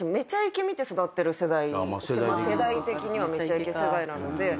世代的には『めちゃイケ』世代なので。